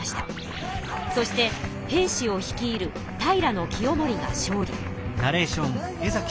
そして平氏を率いる平清盛が勝利。